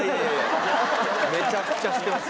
めちゃくちゃしてます。